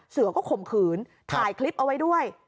เสือก็ข่มขืนถ่ายคลิปเอาไว้ด้วย